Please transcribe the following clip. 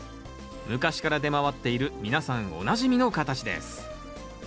昔から出回っている皆さんおなじみの形です。